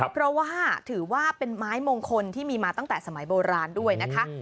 เพราะว่าถือว่าเป็นไม้มงคลที่มีมาตั้งแต่สมัยโบราณด้วยนะคะ